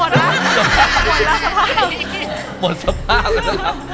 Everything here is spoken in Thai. หมดละหมดละสภาพหมดสภาพแล้วนะครับ